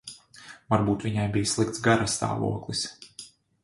Varbūt viņai bija slikts garastāvoklis.